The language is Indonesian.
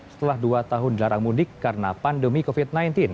setelah dua tahun dilarang mudik karena pandemi covid sembilan belas